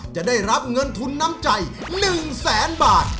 จะได้รับเงินทุนน้ำใจ๑แสนบาท